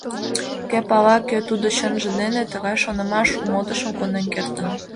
Кӧ пала, кӧ тудо чынже дене! — тыгай шонымаш у модышым конден кертын.